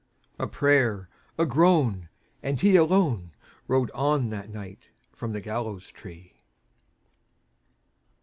A prayer, a groan, and he alone Rode on that night from the gallows tree.